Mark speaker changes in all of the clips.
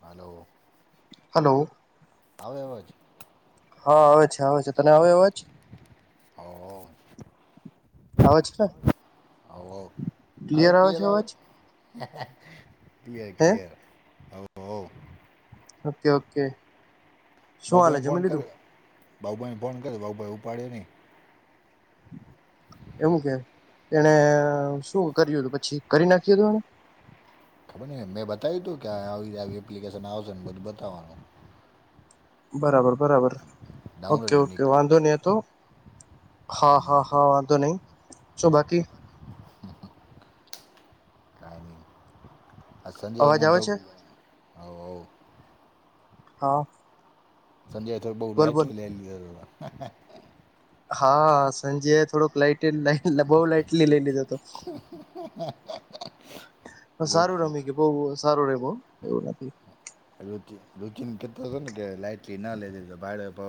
Speaker 1: હાલો.
Speaker 2: Hello.
Speaker 1: આવે અવાજ.
Speaker 2: હા આવે છે, આવે છે, તને આવે અવાજ.
Speaker 1: ઓ [inaudible]
Speaker 2: અવાજ છે, ને
Speaker 1: આવે
Speaker 2: ક્લિયર
Speaker 1: ક [unintelligible]
Speaker 2: છે
Speaker 1: લ આવે.
Speaker 2: અવાજ
Speaker 1: ક્લયર
Speaker 2: હે
Speaker 1: ક્લયર [inaudible]
Speaker 2: ઓકે ઓકે શું હાલે જમી લીધું.
Speaker 1: બાઉુભાઈને ફોન કર્યો બાઉુભાઈ ઉપાડ્યો નહીં.
Speaker 2: એમ કે એને શું કર્યું હતું પછી કરી નાખ્યું હતું એને.
Speaker 1: ખબર ન મેં બતાવ્યું તું કે આવી આવી એપ્લિકેશન આવશે ને બધું બતાવવાનું.
Speaker 2: બરાબર બરાબર ઓકે
Speaker 1: ડાઉનલોડ નહીં
Speaker 2: ઓકે
Speaker 1: કરી
Speaker 2: વાંધો નઈહતો. હા હા હા વાંધો નહી શો બાકી.
Speaker 1: કાંઈ નહીં આ સંજય
Speaker 2: અવાજ આવે
Speaker 1: મંધો
Speaker 2: છે
Speaker 1: હવવ.
Speaker 2: હા.
Speaker 1: સંજય થ બઉ
Speaker 2: બોલ બોલ
Speaker 1: લાઈટલી લઈ લીધો.
Speaker 2: હા સંજયે થોડોક લાઈટ લટ બહુ લઇટ લઈ લીધો હતો.
Speaker 1: એ
Speaker 2: સારું રમી ગયું બહુ
Speaker 1: [inaudible]
Speaker 2: [inaudible] એવું નથી.
Speaker 1: રૂચિન રૂચિન કેતોને કે લાઈટલી ના લેધોતો ભાડેભો.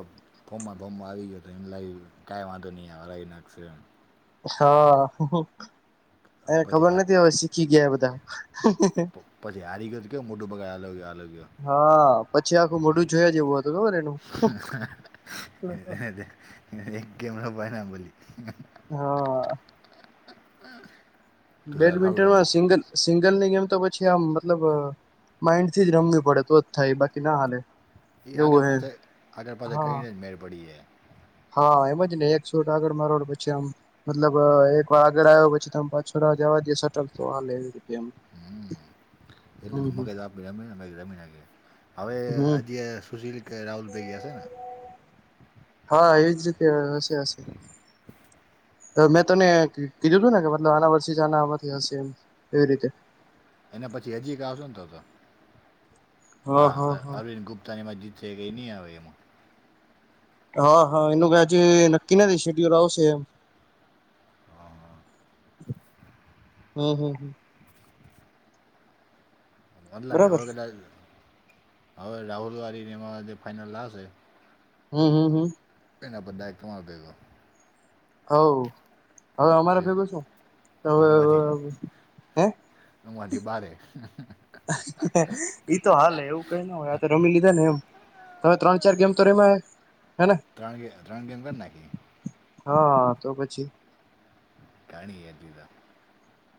Speaker 1: ફોમ્માં ફોમ આવી ગયો તો એમ લાગ કઈ વાંધો નહી રહી નાખશે એમ
Speaker 2: હાઆઆ- હોહો. એ
Speaker 1: પછી
Speaker 2: ખબર
Speaker 1: હાર
Speaker 2: નથી હવે શીખી ગયા બધા.
Speaker 1: પછી હારી ગયો તો કેવું મોટું બગાડ હાલો ગયો હાલો ગયો
Speaker 2: હા પછી આખું મોઢું જોયા જેવું હતું ખબર એનું.
Speaker 1: [unintelligible] ભનાબલી
Speaker 2: હા.
Speaker 1: તું સારું સારું રમે
Speaker 2: બેડમિન્ટનમાં સિંગલ સિંગલ ની ગમ. તો પછી આમ મતલબ માઇન્ડ થી જ રમવી પડે તો જ થાય બાકી ના હાલે.
Speaker 1: ઈ
Speaker 2: એવું
Speaker 1: આગળ
Speaker 2: હે
Speaker 1: પાછ આગળ પાછ
Speaker 2: હા
Speaker 1: કરીને જ મેળ પડી જાય.
Speaker 2: હા એમ જ ને એક છોટ આગળ મારવાડ પછી આમ મતલબ એક વાર આગળ આવ્યો પછી તો પછીડો જવા. એ સટલ તો આમ લે [unintelligible] આમ.
Speaker 1: એટલેું મગજ આપ જમી જમી
Speaker 2: હમ
Speaker 1: હ સુીલ. કે રાહુલ ભેગયાશેને.
Speaker 2: જી [unintelligible] છીયાપી. મેં તને કીધું હતું ને કે મતલબ આના વર્ષવાથી હશે એમ. એ રીતે.
Speaker 1: એના પછી હજીક એક આવશો ને તોતો હા અર અરવિંદ ગુપ્તા ની માજીત. એકેઈ ની આવે એમાં.
Speaker 2: હા હા એનું ત હજી નક્કી નથી. શીડ્યુલ આવશે એમ. હમ હમ હમ.
Speaker 1: મંધ લાગે
Speaker 2: બરાબર
Speaker 1: હવે કદાચ હવે રાહુલ વારીને એમાં બઘી ફાઈનલ આવશે.
Speaker 2: હમ હમ હમ.
Speaker 1: એના બધા એક [unintelligible]
Speaker 2: હવવ હવે અમારે
Speaker 1: પછી
Speaker 2: ભેગું છું હવે [unintelligible] હે.
Speaker 1: [unintelligible] થી બારે.
Speaker 2: ઈતો હાલે એવું કંય ન હોય આપે રમી લીધા ને એમ. તવે ત્રણ ચાર ગેમ તો રેવા.
Speaker 1: ત્રણય રણજંગલ નાખી.
Speaker 2: હાઆઆ તો પછી.
Speaker 1: કાણીએ જુદા.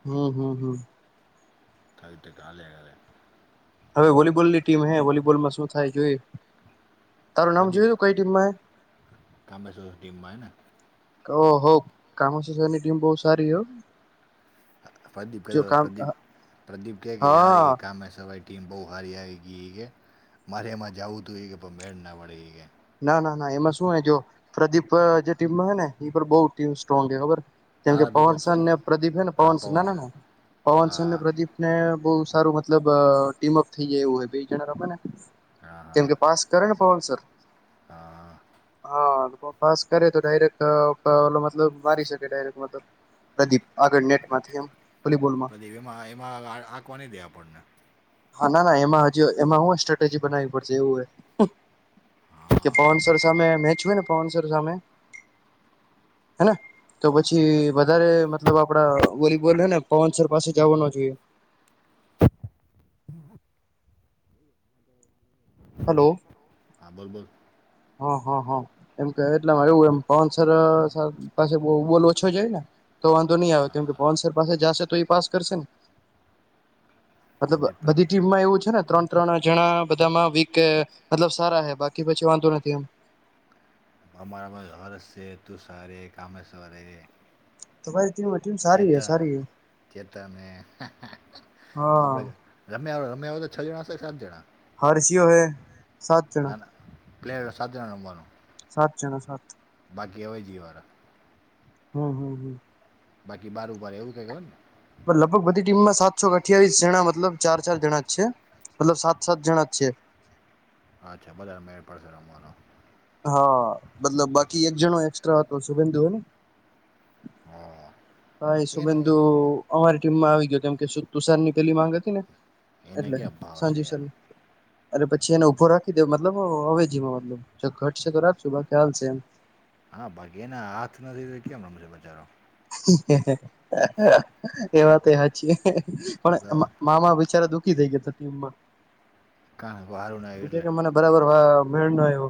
Speaker 2: હમ હમ હમ.
Speaker 1: થાઈટ કલે આવે.
Speaker 2: હવે વોલીબોલની ટીમ હે વોલીબોલમાં શું થાય એ જોયે.
Speaker 1: પ્રદીપ કામેમેશ્વર ટીમમાં હેને.
Speaker 2: ઓ હો કમા સની ટીમ બહુ સારી હો
Speaker 1: પ્રદીપ કે
Speaker 2: જો
Speaker 1: [unintelligible]
Speaker 2: કામ
Speaker 1: પ્રદીપ પ્રદીપ કેય કેક યાર
Speaker 2: હા
Speaker 1: કમાંશ વૈટ. ટીમ બૌવ હારી આવી ગઈ કે મારે એમાં જાવું હતું એ કે પણ મેળ નાપડી એકે.
Speaker 2: ના ના ના એમાં શું જો પ્રદીપ જે ટીમ હોય ને ઈ બો ટીમ સ્ટ્રોંગ છે ખબર. કેમ કે
Speaker 1: તારા ભેગો જ છે
Speaker 2: પવનસનને પ્રદીપ હે ને
Speaker 1: હા
Speaker 2: પવનસ ના
Speaker 1: પવન
Speaker 2: ના
Speaker 1: છે
Speaker 2: ના પવનસરને
Speaker 1: હા
Speaker 2: પ્રદીપ ને બો. સારું મતલબ ટીમઅપ થઈ જાય એવું હોય બે જણા રહમેને
Speaker 1: હા
Speaker 2: કેમ
Speaker 1: હા
Speaker 2: કે પાસ કરને પવન સર
Speaker 1: હા
Speaker 2: હા પાસ કરે તો ડાયરેક્ટ અ પ મતલબ મારી શકે ડાયરેક્ટ મતલબ પ્રદીપ આગળ નેટ માંથી એમ વોલીબોલમાં
Speaker 1: પછી એમાં એમાં આંકવા નહી દે આપણને
Speaker 2: હા ના ના એમાં હજ એમાં હું સ્ટ્રેટેજી બનાવવી પડશે એવું હો કે
Speaker 1: હા
Speaker 2: પવન સર સામે મેચ હોય ને પવન સર સામે હેને તો પછી વધારે મતલબ આપડા વોલીબોલ હેને પવન સર પાસે જવાનો જોઈએ [inaudible] હલો
Speaker 1: હા બોલ બોલ
Speaker 2: હા હા હા એમ કે એટલેમાં એવું એમ પવન સર પાસે બોલ ઓછો જાય ને તો વાંધો નહી આવે કેમકે પવન
Speaker 1: હા
Speaker 2: સર પાસે જશે તો એ પાસ કરશે ને મતલબ
Speaker 1: પ્રદીપ
Speaker 2: બધી
Speaker 1: પ્રદ-
Speaker 2: ટીમમાં એવું છે ને ત્રણ ત્રણ જણા બધામાં વીક મતલબ સારા હે બાકી પછી વાંધો નથી એમ
Speaker 1: અમારા હરસ છે તું સરે કામેશવરે
Speaker 2: તો ભાઈ
Speaker 1: કેતા કેતાને
Speaker 2: હા
Speaker 1: આપડે [unintelligible] છ જણાં છે સાત જણા
Speaker 2: હર્શીઓ હે સાત
Speaker 1: ના
Speaker 2: જણ
Speaker 1: ના પ્લેયર સાજણ રહ્મવાનું
Speaker 2: સાત જણા સાત
Speaker 1: બાકી હવે જિવારા
Speaker 2: હમ હમ હમ
Speaker 1: બાકી બારો બાર એવું કઈ ખબર ને
Speaker 2: લગભગ બધી ટીમમાં સાતસો અઠયાવીસ જણા મતલબ ચાર ચાર જણા જ છે મતલબ સાત સાત જણા જ છે
Speaker 1: અચ્છા બધા મે પાશડ રમવાનું
Speaker 2: હા મતલબ બાકી એક જણો એકસ્ટ્રા હતો શુભમ થયો ન
Speaker 1: હા
Speaker 2: હા એ
Speaker 1: એનું
Speaker 2: શુભેન્દુ અમારી ટીમમાં આવી ગયો કેમ કે તુષાર ની પેલી માંગ હતી ને
Speaker 1: એને
Speaker 2: એટલે
Speaker 1: ક્યાં ભાવ છે
Speaker 2: સાજીવ
Speaker 1: યાર
Speaker 2: સરની અરે પછી એને ઉભો રાખી દેવ મતલબ અવેજીમાં મતલ જો ઘટ સે તો રાખશો બાકી હાલ સે એમ
Speaker 1: હા બાકી એના હાથ નથી તો કેમ રમશે બિચારો
Speaker 2: એ વાત એ હાચી પણ
Speaker 1: તો
Speaker 2: મામા બિચારા દુખ કી થઈ ગયો તકલીફમાં
Speaker 1: કાં સારું ના
Speaker 2: એ કે
Speaker 1: એટલે
Speaker 2: કે મને બરાબર મેળ ન આવ્યો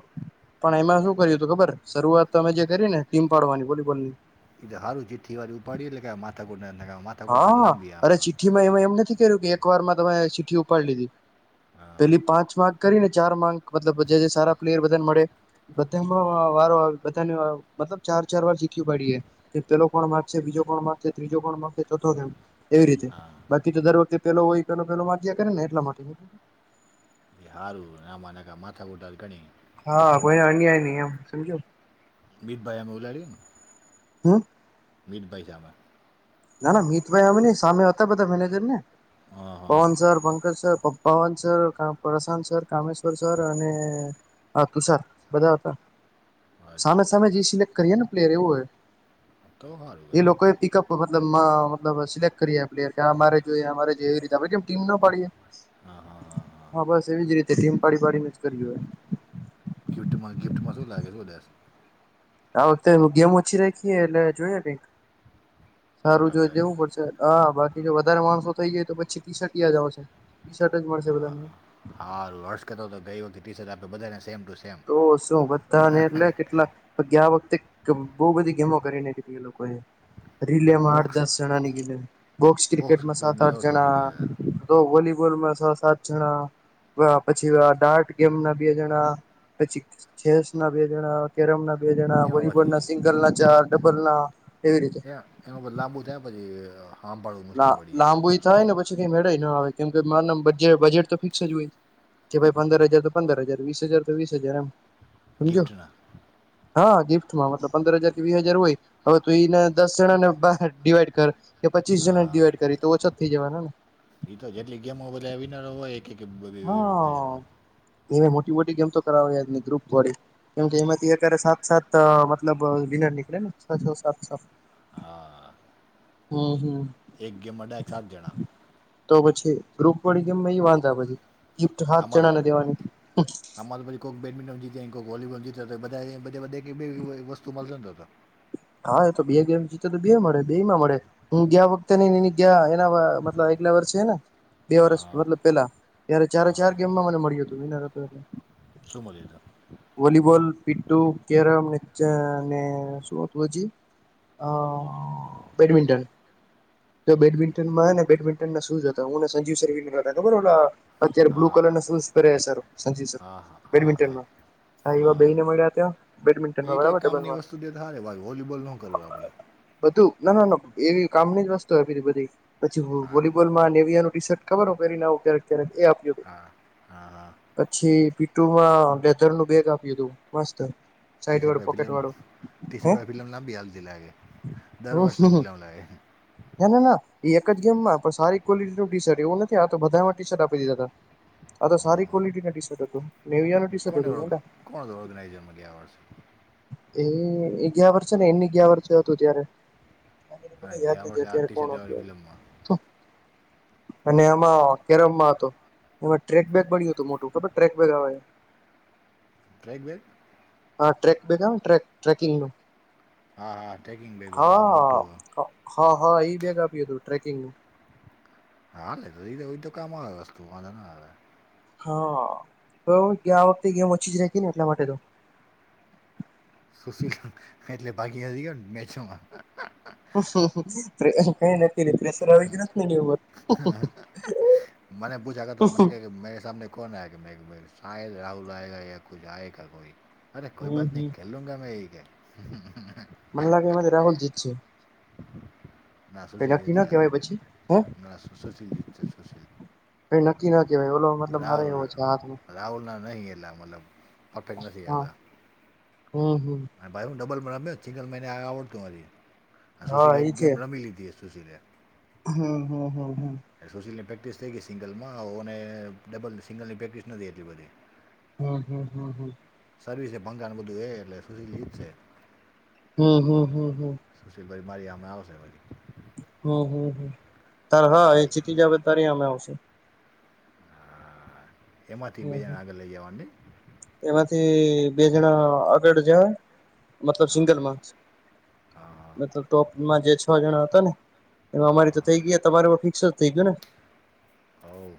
Speaker 2: પણ એમાં શું કર્યુ હતું ખબર શરૂઆત તમે જે કરી ને ટીમ પાડવાની વોલીબોલ ની
Speaker 1: એ હારું જેથી વાળ ઉપાડીએ એટલે આ માથા [unintelligible]
Speaker 2: હા અરે ચિઠ્ઠીમાં એમાં એમ નથી કર્યુ કે એક વારમાં તમે ચિઠ્ઠી ઉપાડી લીધી
Speaker 1: હા
Speaker 2: પેલી પાંચ વા કરીને ચાર માંક મતલબ જે જે સારા પ્લેયર બધાને મળે બધામાં
Speaker 1: હા
Speaker 2: વારો બધાન મતલબ ચાર ચાર વાર શીખ્યું પાડીએ કે પેલો કોણ માર્ક છે બીજો કોણ માર્ક છે ત્રીજો કોણ માક [unintelligible] કે એવી રીતે
Speaker 1: હા
Speaker 2: બાકી તો દર વખતે પેલો હોય એ પેલો પેલો વાગકીએ કરેને એટલા માટે [unintelligible]
Speaker 1: એ હારું આમાનાકા માથા ખૂટાલ ગણી
Speaker 2: હા કોઈ અન્યાય નહી એમ સમજ્યો
Speaker 1: મિત ભાઈ અમે ઓલાડીએને
Speaker 2: હમ
Speaker 1: મિત ભઈ [unintelligible]
Speaker 2: ના ના મિતભાઈ અમેન સામે હતા બધા મેનેજર ને
Speaker 1: હા,
Speaker 2: પવન
Speaker 1: હા.
Speaker 2: સર પંકજ સર પપ Pawan sir Prashant sir Kameshwar sir અને તુષાર બધા હતા સામે
Speaker 1: અચ્છા.
Speaker 2: સામે જે સિલેક્ટ કરીએ ને પ્લેયર એવું હોય
Speaker 1: કૌ સારું
Speaker 2: એ
Speaker 1: કર્યું
Speaker 2: લોકોએ પિકઅપ મતલબ મતલબ સિલેક્ટ કરી પલેયર કે મારે જો અરે જેવી રીતે આપણે કેમ ટીમ ના પાડીએ હા બસ એવી જ રીતે તે ટીમ પાડી પાડીને જ કરી હોય
Speaker 1: ગિફ્ટમાં ગિફ્ટમાંો લાગે વધલસ
Speaker 2: આ વખતે ગેમ ઓછી રાખીએ એટલે જોઈએ કક સારું
Speaker 1: મોટા
Speaker 2: જો
Speaker 1: ભાઈ.
Speaker 2: જવું પડશે હા બાકી જો વધારે માણસો થઇ જાય તો પછી ટી શર્ટ યા જ આવશે ટી શર્ટ જ મળશે બધાને
Speaker 1: હા વર્ષ કરતો તો ગઈ વખતે ટી શર્ટ આપે બધાને સેમ ટુ સેમ.
Speaker 2: તો શું બધા ને એટલે કેટલા ગ આ વખતે કે બહુ બધી ગેમો કરીને કીધી એ લોકોએ રીલેમાં આઠ
Speaker 1: બોક્સ
Speaker 2: દસ જણા ની ગીધ બોક્સ ક્રિકેટમાં સાત
Speaker 1: ક્રિકેટને એવો
Speaker 2: આઠ
Speaker 1: ઠોકી
Speaker 2: જણા
Speaker 1: દીધા.
Speaker 2: ગૂગલમાં છ સાત જણા પછી ડાર્ટ ગેમ ના બે જણા પછી ચેસ ના બે જણા કેરમ ના બે જણા
Speaker 1: એમાં
Speaker 2: વોલીબોલ
Speaker 1: પછી
Speaker 2: ના સિંગલ ના ચાર એ બરલા
Speaker 1: હયા એનું બધ લાંબુ થાય પછી હાંભળવું મુશ્કેલ
Speaker 2: ા
Speaker 1: પડી જાય.
Speaker 2: લાંબુ થાય ને પછી કઈ મેળ ના આવે કેમ કે મા બજેટ તો ફિક્સ જ હોય કે ભાઈ પંદર હજાર તો પંદર હજાર વીસ હજાર તો વીસ હજાર એમ સમજો
Speaker 1: ગિફ્ટના
Speaker 2: હા ગિફ્ટમાં મતલબ પંદર હજાર કે વીસ હજાર હોય હવે તું એને દસ જણા ને બાર ડિવાઈડ કર પચીસ
Speaker 1: હા
Speaker 2: જણા
Speaker 1: હા
Speaker 2: ડિવાઈડ કરી તો ઓછો જ થઈ જવાના ને
Speaker 1: તો જેટલી ગેમો બલ આવીને હોય કે બ
Speaker 2: હા
Speaker 1: એના
Speaker 2: એ મોટી મોટી ગેમ તો કરાવની ગ્રુપ થોડી કેમકે એમાંથી અત્યારે સાત સાત મતલબ ડિનર નીકળે ને છ છ સાત છ.
Speaker 1: હા.
Speaker 2: હમ હમ.
Speaker 1: એક ગેમડ એક સાથ જણા.
Speaker 2: ગ્રૂપ વડી કે મે એ વાંધા પછી. ગિફ્ટ હાથ
Speaker 1: અમા
Speaker 2: જણા ને દેવાની
Speaker 1: અમાદ ભ કોક બેડમિન્ટન જીતી કોક વોલીબોલ જીતી ધા બધધ વસ્તુ મળશે
Speaker 2: હા એ તો બે ગેમ જીતે તો બે મળે બે માં મળે હું ગયા વખતે નઈ એ ગયા એના મતલબ એકલા વરષ છે ને બે વરષ
Speaker 1: હા
Speaker 2: મતલબ પેલા ત્યારે ચારે
Speaker 1: હા
Speaker 2: ચાર ગેમમાં મને મળ્યું હતું વિનર હતું એટલે
Speaker 1: સોમલેખા
Speaker 2: પીટટું કેરમ નેને શું જી અ બેડમિન્ટન. તો બેડમિન્ટનમાં ને બેડમિન્ટનમાં શું જ હતા હુંને સંજીવ શર્વીનર હતા ખબર અત્યારે બ્લુ કલ
Speaker 1: હા
Speaker 2: અનશન કરે સારો સંજીવ સર
Speaker 1: હા હા હા
Speaker 2: બેન્ડમિંટન
Speaker 1: હા
Speaker 2: માં વા બેને મળ્યા ત્યા
Speaker 1: એક એક કામની વસ્તુ જેારે ભ વોલીબોલ ન કરવું આપડે.
Speaker 2: બું ના ના ના એવી કામ ની જ વસ્તુ આવેીધી બધી પછી
Speaker 1: હા
Speaker 2: વોલીબોલ માં વિયા નું ટી શર્ટ ખબર હો ક્યારે ક્યારેક એ આપ્યું.
Speaker 1: હા હા હા
Speaker 2: પછી પીટુમાં લેધર નું બેગ આપ્યું હતું, મસ્ત. સાઈડ વાળું પોકેટ વાળું, હે?
Speaker 1: લબી હથી લાગે દર વર્ષ ની પેલા લાગે
Speaker 2: ના ના ના એ એક જ ગેમમાં પણ સારી ક્વોલિટી નું ટી શર્ટ એવું નથી આ તો બધામાં ટી શર્ટ આપી દીધા હતા હા તો સારી ક્વોલિટી ન ટી શર્ટ હતું. નેવિયા નું ટી શર્ટ
Speaker 1: કોને
Speaker 2: હતું
Speaker 1: ઓગ
Speaker 2: મોટા
Speaker 1: કોણ ઓર્ગનાઈઝરમાં ગયા છે?
Speaker 2: એ ગયા વર્ષ છે ને એ ગયા વર્ષ હતું ત્યારે.
Speaker 1: હ
Speaker 2: મને યાદ
Speaker 1: ગયા
Speaker 2: નથી
Speaker 1: વર્ષ આ
Speaker 2: અત્યારે કોણ
Speaker 1: ટ
Speaker 2: હતું
Speaker 1: ફિલ્મમાં
Speaker 2: એમ અને એમાં કેરમમાં હત એમાં ટ્રેક બેેગ બન્યું હતું મોટું ખબર ટ્રેક બેગ આવે.
Speaker 1: કગ બેગ?
Speaker 2: હા ટ્રેક બેગા ટ ટ્રેકિંગ ન.
Speaker 1: હા હા ટ્રેકિંગ બેગ વાળું મોટું.
Speaker 2: હા હા એ બેગ આપ્યું હતું ટ્રેકિંગનું.
Speaker 1: હા તો કામ આવે વસ્તુ વાંધા ના આવે.
Speaker 2: હા, તો આ વખતે ગેમ ઓછી જ ર ને એટલા માટે તો
Speaker 1: સુશીલ એટલે બાકી ગયો ને મેચોમાં.
Speaker 2: હું હું. એલે પ્રેેશરવે કે નર
Speaker 1: મને બૂછ આગ મને કે મે સામને કોણ આયા? શદ રાહુલ આગ યા કુજ આયગ કોઈ અરે કોઈ
Speaker 2: હમ
Speaker 1: બાત નહી
Speaker 2: હમ
Speaker 1: ખેલ લુંંગા મેં
Speaker 2: મને લાગે એમાંથી રાહુલ જીત છે.
Speaker 1: ના શ ચીલી દય
Speaker 2: પછી હે
Speaker 1: ના સુશીલ જીત છે સુશીલ.
Speaker 2: ભ નક્કી ના કે ભાઈ ઓલો મતલબ મારે એવો છે હાથમાં
Speaker 1: એટલે મતલબ પરફેક્ટ નથી
Speaker 2: હા
Speaker 1: આવતા
Speaker 2: હમ હમ.
Speaker 1: અને ભાઈ હું ડબલમાં રમ્યો સિંગલમાં એને આવડતું મારી અને
Speaker 2: હા
Speaker 1: સુશીરે
Speaker 2: એ
Speaker 1: એક
Speaker 2: છે
Speaker 1: ગમી લીધી હ સુશીલે.
Speaker 2: હમ હમ હમ.
Speaker 1: સોશીલની પ્રેક્ટિસ થઈ ગઈ સિંગલમાં આવ અને ડબલ સિંગલની પ્રેક્ટિસ નથી એટલી બધી.
Speaker 2: હમ હમ હમ હમ.
Speaker 1: સર્વિસ એ ભંગાણ બધું એ એટલે સુશીલિત છે.
Speaker 2: હમ હમ હમ હમ
Speaker 1: બરીમારી આમે આવશેરી
Speaker 2: હમ હમ તારે હા એ જીતી જાવ તારી અમે આવશે
Speaker 1: એમાંથી બે જણા આગળ લઈ જવાની
Speaker 2: એમાંથી બે જણા આગળ જવાય મતલબ
Speaker 1: હા
Speaker 2: સિંગલમાં
Speaker 1: હા હા
Speaker 2: મતલબ ટોપમાં જે છ જણા હતા ને એમાં અમારી તો
Speaker 1: હા
Speaker 2: થઇ ગઈ તમાર તો ફિક્સ જ થઇ ગયું ને
Speaker 1: આવ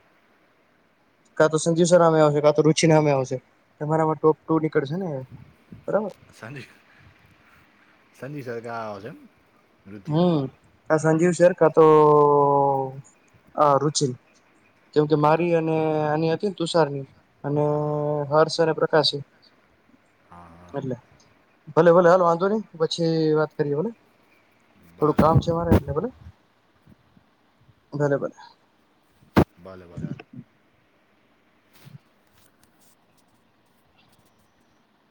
Speaker 2: કા તો સંજીવ સરમે આવશે કા તો રુચિ નામે આવશે તમારામાં ટોપ ટુ ની કડ છે ને બરાબર
Speaker 1: સંદીિ સર સરગા આવાશેમ
Speaker 2: હમ ક સંજીવ શેર કા તો હ રુચિ કેમ કે
Speaker 1: તો
Speaker 2: મારી
Speaker 1: તને
Speaker 2: અને આની હતી ને તુષારની અને
Speaker 1: હા હા
Speaker 2: હર્ષ અને પ્રકાશ
Speaker 1: હા હા
Speaker 2: એટલે ભલે ભલે હાલ વાંધો નઈ પછી વાત કરીએ ભલે થોડુંક
Speaker 1: ભલે
Speaker 2: કામ છે મારે એટલે બોલો ભલે ભલે
Speaker 1: ભલે ભલે ભલે